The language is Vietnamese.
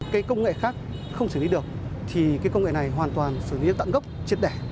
cái công nghệ khác không xử lý được thì cái công nghệ này hoàn toàn xử lý được tặng gốc triệt để